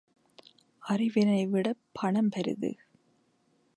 அறிவினைவிடப் பணம் பெரிது.